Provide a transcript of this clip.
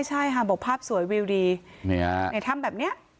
ใช่ค่ะบอกภาพสวยวิวดีในถ้ำแบบนี้